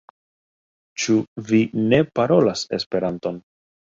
Ĉu vi ne parolas Esperanton?